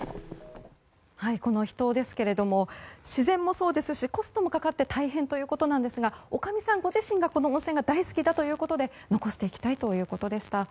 この秘湯ですが自然もそうですしコストもかかって大変ということですがおかみさんご自身がこの温泉が大好きということで残していきたいということでした。